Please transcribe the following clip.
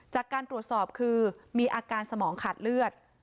จากการตรวจสอบคือมีอาการสมองขาดเลือด